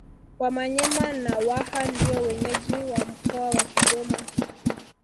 Wamanyema na Waha ndio wenyeji wa mkoa wa Kigoma